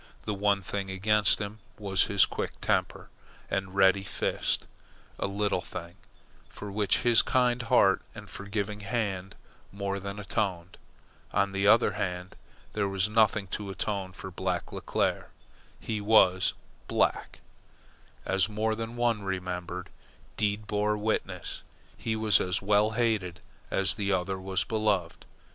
The one thing against him was his quick temper and ready fist a little thing, for which his kind heart and forgiving hand more than atoned. On the other hand, there was nothing to atone for Black Leclere. He was "black," as more than one remembered deed bore witness, while he was as well hated as the other was beloved.